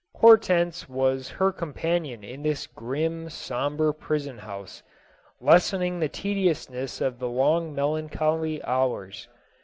Hortense was her companion in this grim, sombre prison house, lessening the tediousness of the long mel ancholy hours.